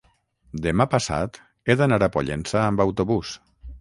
Demà passat he d'anar a Pollença amb autobús.